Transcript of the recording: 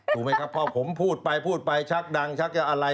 ถูกไหมครับพอผมพูดไปพูดไปชักดังชักจะอะไร